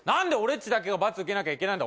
ちだけが罰受けなきゃいけないんだ